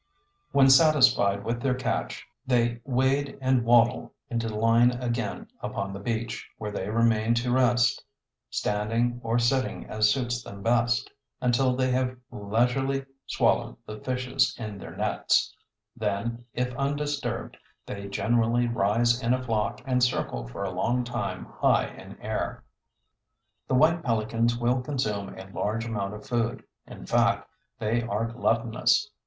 When satisfied with their catch, they wade and waddle into line again upon the beach, where they remain to rest, standing or sitting as suits them best, until they have leisurely swallowed the fishes in their nets; then, if undisturbed, they generally rise in a flock and circle for a long time high in air." The White Pelicans will consume a large amount of food; in fact, they are gluttonous.